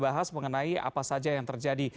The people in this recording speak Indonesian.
bahas mengenai apa saja yang terjadi